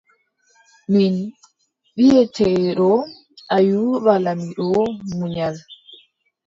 Min wiʼeteeɗo Ayuuba laamiɗo munyal.